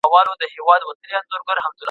عدالت په محکمو کي پلی کیده.